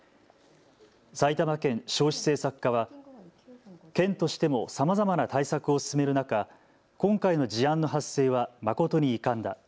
埼玉県少子政策課は県としてもさまざまな対策を進める中、今回の事案の発生は誠に遺憾だ。